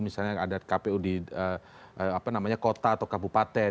misalnya ada kpu di kota atau kabupaten